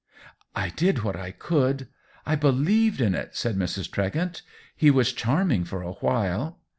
" I did what I could — I believed in it !" said Mrs. Tregent. " He was charming, for a while."